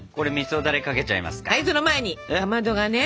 はいその前にかまどがね